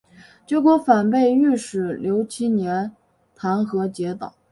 结果反被御史刘其年参劾结党。